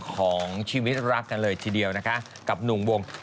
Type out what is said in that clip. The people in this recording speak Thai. ของชีวิตรักกันเลยทีเดียวนะคะกับหนุ่มวง